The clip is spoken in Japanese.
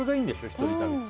一人旅って。